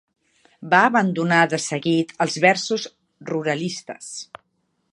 Va abandonar de seguit els versos ruralistes